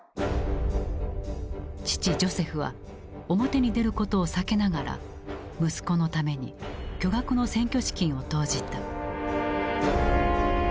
父ジョセフは表に出ることを避けながら息子のために巨額の選挙資金を投じた。